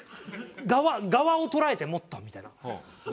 「側を捉えてもっと」みたいな。